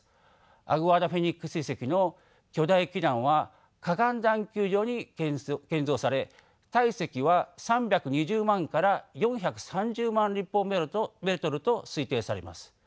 アグアダ・フェニックス遺跡の巨大基壇は河岸段丘上に建造され体積は３２０万から４３０万立方メートルと推定されます。